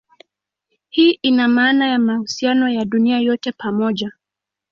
Hii ina maana ya mahusiano ya dunia yote pamoja.